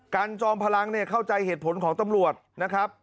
จอมพลังเนี่ยเข้าใจเหตุผลของตำรวจนะครับ